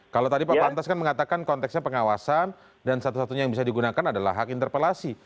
kalau tadi pak pantas kan mengatakan konteksnya pengawasan dan satu satunya yang bisa digunakan adalah hak interpelasi